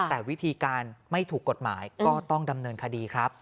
แต่วิธีการไม่ถูกกฎหมายก็ต้องดำเนินคดีครับ